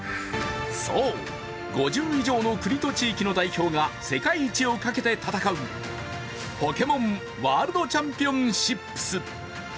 そう、５０以上の国と地域の強豪が世界一をかけて戦うポケモンワールドチャンピオンシップス。